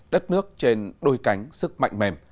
đất nước trên đôi cánh sức mạnh mẽ